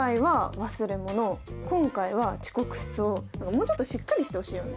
もうちょっとしっかりしてほしいよね。